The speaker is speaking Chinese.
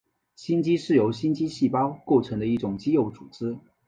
心肌是由心肌细胞构成的一种肌肉组织。